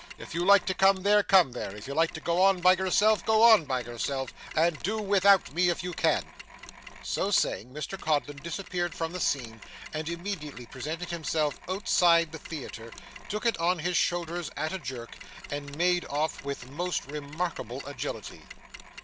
If you like to come there, come there. If you like to go on by yourself, go on by yourself, and do without me if you can.' So saying, Mr Codlin disappeared from the scene and immediately presented himself outside the theatre, took it on his shoulders at a jerk, and made off with most remarkable agility.